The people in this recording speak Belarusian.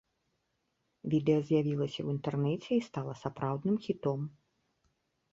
Відэа з'явілася ў інтэрнэце і стала сапраўдным хітом.